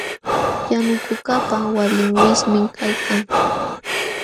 Yanukuqkaqpa walin wiswim kaykan.